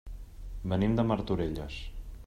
Venim de Martorelles.